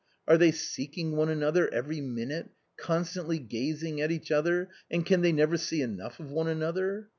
are they seeking one another every minute, constantly gazing at each other, and can they never see enough of one another